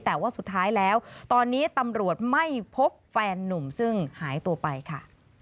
แต่ว่าสุดท้ายแล้วตอนนี้ตำรวจไม่พบแฟนนุ่มซึ่งหายตัวไปค่ะ